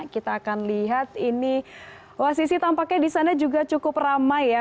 kita akan lihat ini wah sisi tampaknya disana juga cukup ramai ya